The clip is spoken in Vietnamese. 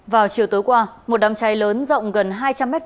vào chiều tối qua một đám cháy lớn rộng gần hai trăm linh m hai